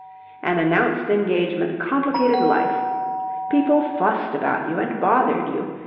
An announced engagement complicated life. People fussed about you and bothered you.